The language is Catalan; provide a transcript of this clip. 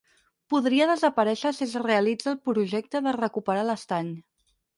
Podria desaparèixer si es realitza el projecte de recuperar l'estany.